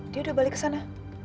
dia udah balik ke sana